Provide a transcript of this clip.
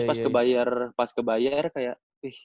terus pas kebayar pas kebayar kayak